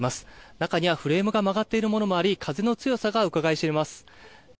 中にはフレームが曲がっているものもあり風の強さがうかがい知れます。